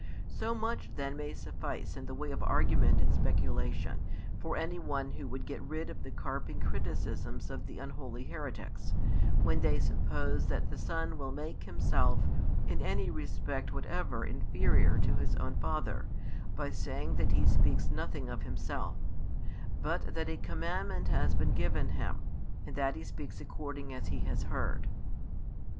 So much then may suffice in the way of argument and speculation for any one who would get rid of the carping criticisms of the unholy heretics, when they suppose that the Son will make Himself in any respect whatever inferior to His own Father by saying that He speaks nothing of Himself, but that a commandment has been given Him, and that He speaks according as He has heard.